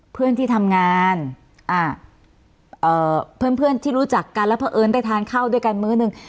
เพื่อนที่ทำงานเพื่อนที่รู้จักกันแล้วพอเอิ้นได้ทานข้าวด้วยกันเมื่อนึง